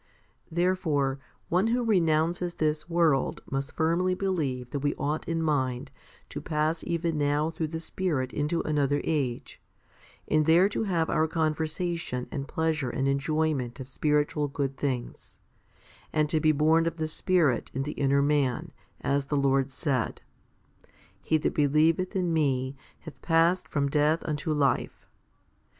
2 Therefore, one who renounces this world must firmly believe that we ought in mind to pass even now through the Spirit into another age, and there to have our conversation and pleasure and enjoyment of spiritual good things, and to be born of the Spirit in the inner man, as the Lord said, He that believeth in Me, hath passed from death unto life.